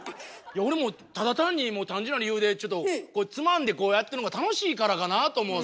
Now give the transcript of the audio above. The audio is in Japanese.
俺もうただ単に単純な理由でこうつまんでこうやってるのが楽しいからかなと思う。